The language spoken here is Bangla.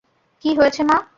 কি হয়েছে, মা?